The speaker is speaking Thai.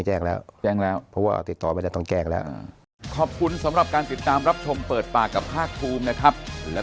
อ่าตั้งนี้แจ้งแล้ว